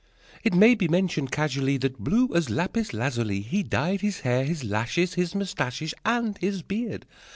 It may be mentioned, casually, That blue as lapis lazuli He dyed his hair, his lashes, His mustaches, And his beard.